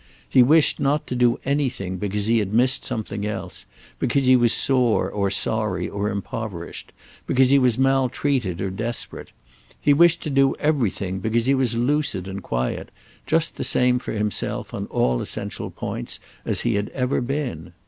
He wished not to do anything because he had missed something else, because he was sore or sorry or impoverished, because he was maltreated or desperate; he wished to do everything because he was lucid and quiet, just the same for himself on all essential points as he had ever been.